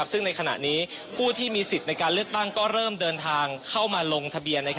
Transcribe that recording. ซึ่งในขณะนี้ผู้ที่มีสิทธิ์ในการเลือกตั้งก็เริ่มเดินทางเข้ามาลงทะเบียน